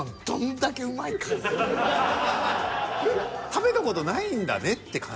食べた事ないんだねって感じ。